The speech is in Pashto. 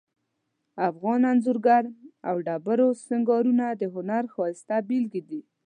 افغان انځورګری او ډبرو سنګارونه د هنر ښایسته بیلګې دي